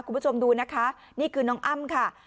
คุณผู้ชมดูนะคะนี่คือน้องอ้ำค่ะ